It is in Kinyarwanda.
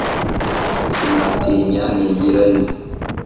Sinatinya nigira yo.